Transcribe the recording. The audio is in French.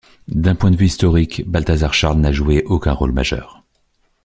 D'un point de vue historique, Balthazar-Charles n'a joué aucun rôle majeur.